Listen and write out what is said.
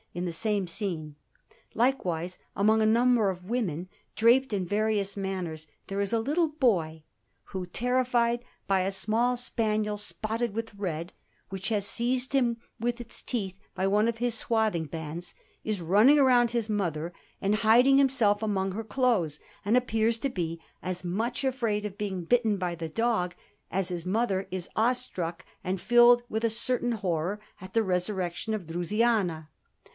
In the same scene, likewise, among a number of women draped in various manners, there is a little boy, who, terrified by a small spaniel spotted with red, which has seized him with its teeth by one of his swathing bands, is running round his mother and hiding himself among her clothes, and appears to be as much afraid of being bitten by the dog as his mother is awestruck and filled with a certain horror at the resurrection of Drusiana.